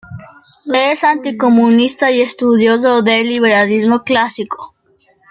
Es anticomunista y estudioso del liberalismo clásico.